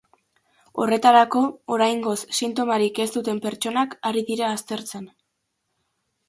Horretarako, oraingoz sintomarik ez duten pertsonak ari dira aztertzen.